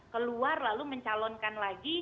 keluar lalu mencalonkan lagi